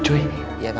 nunggu aja kan